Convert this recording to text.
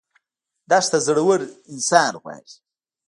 دښته زړور انسان غواړي.